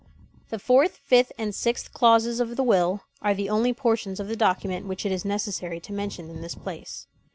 The fourth, fifth, and sixth clauses of the will are the only portions of the document which it is necessary to mention in this place.